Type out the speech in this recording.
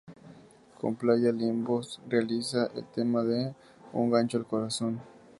Con Playa Limbo realiza el tema de "Un Gancho al Corazón".